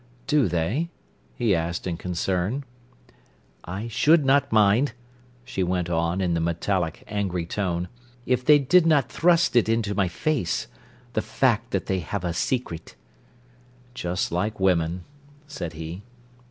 "Do they?" he asked in concern. "I should not mind," she went on, in the metallic, angry tone, "if they did not thrust it into my face—the fact that they have a secret." "Just like women," said he.